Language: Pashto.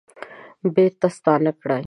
بیرته ستانه کړي